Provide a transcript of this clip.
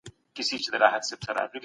د احمد شاه بابا په وخت کي تعلیم څنګه و؟